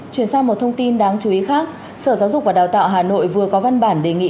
chuyển sang một thông tin đáng chú ý khác sở giáo dục và đào tạo hà nội vừa có văn bản đề nghị